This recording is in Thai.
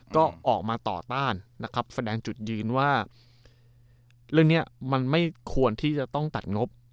ก็ออกมาต่อต้านนะครับแสดงจุดยืนว่าเรื่องนี้มันไม่ควรที่จะต้องตัดงบ